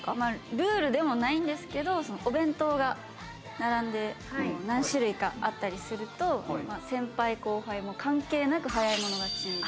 ルールでもないんですけど、お弁当が並んで、何種類かあったりすると、先輩後輩もう関係なく、早い者勝ち。